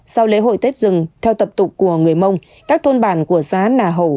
sau lễ hội tết rừng theo tập tục của người mông các thôn bản của xá nà hậu